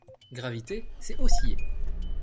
Graviter, c’est osciller.